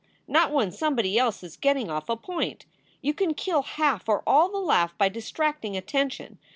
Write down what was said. Not when somebody else is getting off a point. You can kill half or all the laugh by distracting attention.